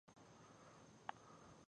ډاکتر خپل لاسونه شاته کښ کړل.